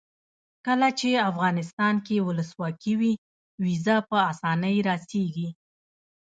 کله چې افغانستان کې ولسواکي وي ویزه په اسانۍ راسیږي.